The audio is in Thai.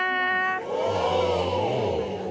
โอ้โฮ